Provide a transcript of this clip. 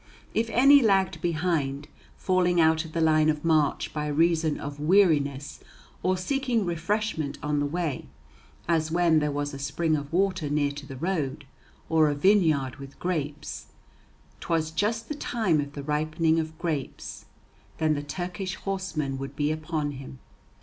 If any lagged behind, falling out of the line of march by reason of weariness, or seeking refreshment on the way, as when there was a spring of water near to the road, or a vineyard with grapes 'twas just the time of the ripening of grapes then the Turkish horsemen would be upon him.